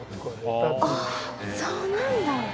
あぁそうなんだ。